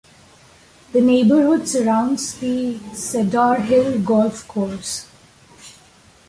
The neighbourhood surrounds the Cedarhill Golf Course.